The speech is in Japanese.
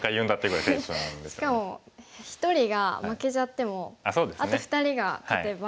しかも１人が負けちゃってもあと２人が勝てば。